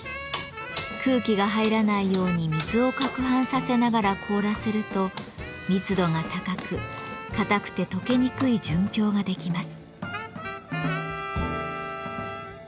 空気が入らないように水を攪拌させながら凍らせると密度が高くかたくてとけにくい純氷ができます。